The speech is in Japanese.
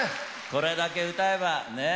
これだけ歌えばねえ！